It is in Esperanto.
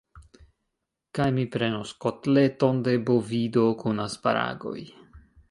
Kaj mi prenos kotleton de bovido kun asparagoj.